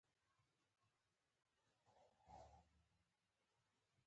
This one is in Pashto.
عطرونه د روغتیا لپاره هم ګټور دي.